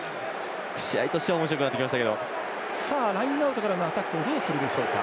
試合としてはラインアウトからのアタック、どうするでしょうか。